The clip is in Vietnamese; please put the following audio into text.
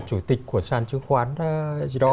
chủ tịch của sàn chứng khoán gì đó